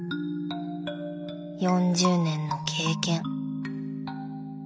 ４０年の経験。